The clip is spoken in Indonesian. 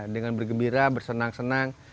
dengan bergembira bersenang senang